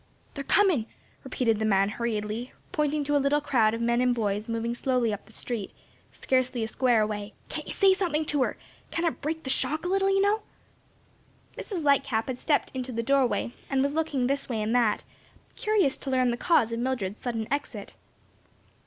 "They're comin'," repeated the man hurriedly, pointing to a little crowd of men and boys moving slowly up the street, scarcely a square away, "can't you say something to her! kind o' break the shock a little, you know." Mrs. Lightcap had stepped into the door way and was looking this way and that, curious to learn the cause of Mildred's sudden exit.